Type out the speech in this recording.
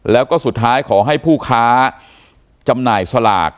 แล้วก็สุดท้ายขอให้ผู้ค้าจำหน่ายสลาก